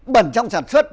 bẩn trong sản xuất